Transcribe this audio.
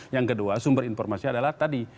yang kedua sumber informasi adalah tadi